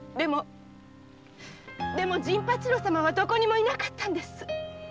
でも陣八郎様はどこにもいなかったんです。